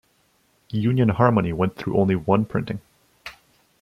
Union Harmony went through only one printing.